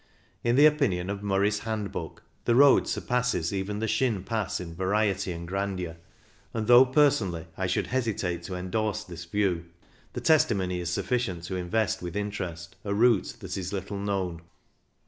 In the opinion of Murray's Handbook^ the THE LANDWASSER ROAD 155 road surpasses even the Schyn Pass in variety and grandeur, and though, person ally, I should hesitate to endorse this view, the testimony is sufficient to invest with interest a route that is little known.